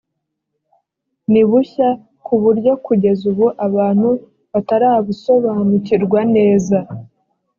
nibushya kuburyo kugeza ubu abantu batarabusobanukirwa neza.